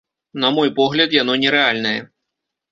На мой погляд, яно не рэальнае.